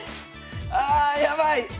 ああやばい！